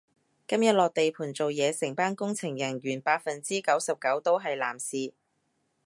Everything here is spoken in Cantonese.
今日落地盤做嘢，成班工程人員百分之九十九都係男士